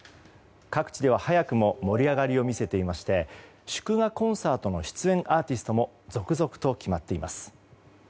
各地では早くも盛り上がりを見せていまして祝賀コンサートの出演アーティストも続々と決まっています。